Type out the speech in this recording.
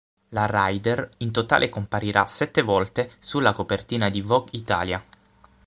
La Rayder in totale comparirà sette volte sulla copertina di "Vogue Italia".